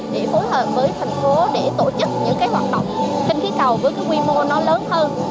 để phối hợp với thành phố để tổ chức những hoạt động khinh khí cầu với quy mô lớn hơn